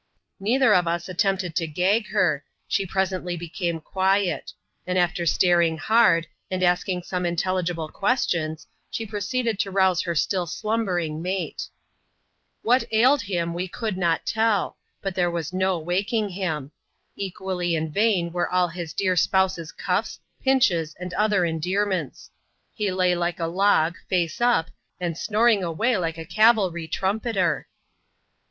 Neither of us attempt ^g to gag her, she presently became quiet ; and after staring hard, and asking some unintelligible questions, she proceeded to rouse her still slumbering mate. What ailed him, we could not tell ; but there was no waking^ him. Equally in vain were all his dear s^j^xiaof^ c,^f&) ^^vci^^^^ t56 ADVENTURES IN THE SOUTH SEAR [gbap.lxyil and other endearments ; he lay like a log, &oe up^ and snonag a;iray like a cayalrj trumpeter.